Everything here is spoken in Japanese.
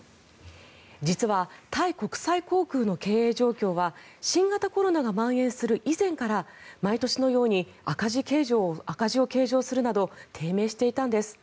実は、タイ国際航空の経営状況は新型コロナがまん延する以前から毎年のように赤字を計上するなど低迷していたんです。